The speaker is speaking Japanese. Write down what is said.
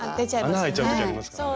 穴開いちゃう時ありますからね。